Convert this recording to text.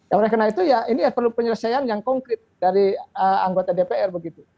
oleh karena itu ya ini perlu penyelesaian yang konkret dari anggota dpr begitu